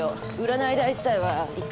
占い代自体は１回１万円。